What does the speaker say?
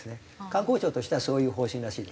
観光庁としてはそういう方針らしいです。